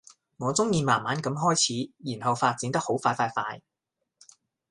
我鍾意慢慢噉開始，然後發展得好快快快